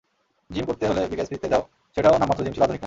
Gym করতে হলে বিকেএসপিতে যাও, সেটাও নামমাত্র জিম ছিল, আধুনিক না।